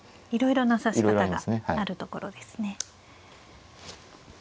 いろいろな指し方があるところですね。